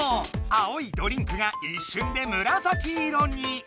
青いドリンクが一瞬でむらさき色に。